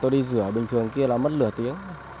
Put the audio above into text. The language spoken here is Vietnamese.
rửa bình thường kia là mất lửa tiếng